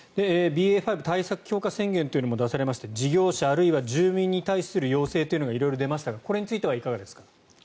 ＢＡ．５対策強化宣言というのも出されまして事業者、あるいは住民に対する要請というのが色々出ましたがこれについてはいかがですか？